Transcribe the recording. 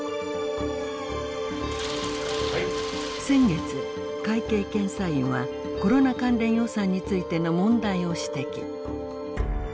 先月会計検査院はコロナ関連予算についての問題を指摘。